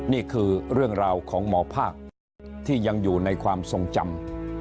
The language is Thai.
นี่คือเรื่องราวของหมอภาคที่ยังอยู่ในความทรงจำ